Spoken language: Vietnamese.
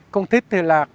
không thích thì là